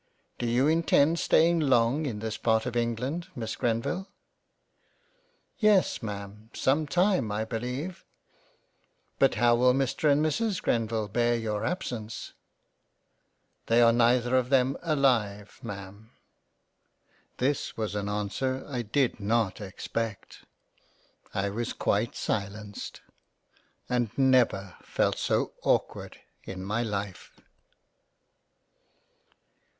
" Do you intend staying long in this part of England Miss Grenville ?"" Yes Ma'am, some time I beleive." " But how will Mr and Mrs Grenville bear your absence?" " They are neither of them alive Ma'am." This was an answer I did not expect — I was quite silenced, and never felt so awkward in my Life